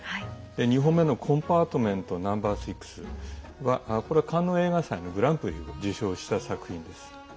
２本目の「コンパートメントＮｏ．６」はこれはカンヌ映画祭のグランプリを受賞した作品です。